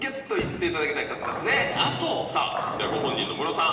ではご本人のムロさん